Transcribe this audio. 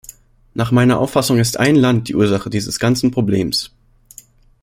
Nach meiner Auffassung ist ein Land die Ursache dieses ganzen Problems.